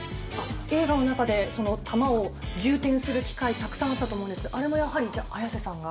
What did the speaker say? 映画の中で弾を充填する機会、たくさんあったと思うんですけど、あれもやはりじゃあ、綾瀬さんが？